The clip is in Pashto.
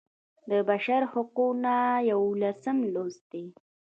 د بشر حقونه یوولسم لوست دی.